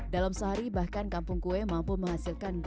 dalam sehari bahkan kampung kue mampu menghasilkan